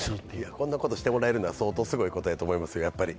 こんなことしてもらえるのは、相当すごいことだと思います。